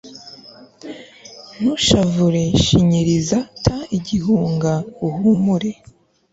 Ntushavure shinyiriza Ta igihunga uhumure